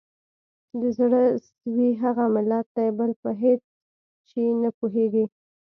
د زړه سوي هغه ملت دی بل په هیڅ چي نه پوهیږي